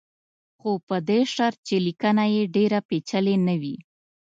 خو په دې شرط چې لیکنه یې ډېره پېچلې نه وي.